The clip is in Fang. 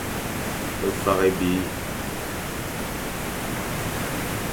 Fakh ébi.